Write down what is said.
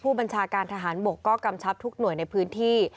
บัญชาการทหารบกก็กำชับทุกหน่วยในพื้นที่